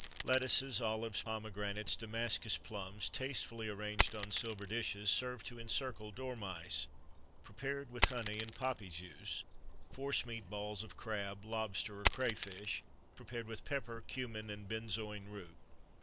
[XXXV 39] Lettuces, olives, pomegranates, Damascus plums,[XXXV 40] tastefully arranged on silver dishes,[XXXV 41] serve to encircle dormice, prepared with honey and poppy juice,[XXXV 42] forcemeat balls of crab, lobster, or cray fish, prepared with pepper, cummin, and benzoin root.